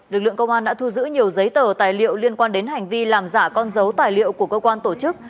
lực lượng công an đã thu giữ nhiều giấy tờ tài liệu liên quan đến hành vi làm giả con dấu tài liệu của cơ quan tổ chức